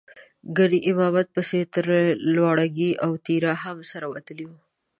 ګنې امامت پسې یې تر لواړګي او تیرا هم سر وتلی و.